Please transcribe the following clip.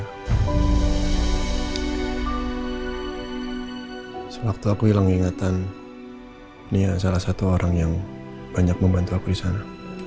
hai selatu aku hilang ingatan nia salah satu orang yang banyak membantu aku di sana